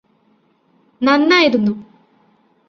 നന്നായിരുന്നു